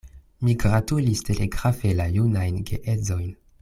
Mi gratulis telegrafe la junajn geedzojn.